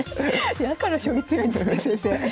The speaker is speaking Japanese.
だから将棋強いんですね先生。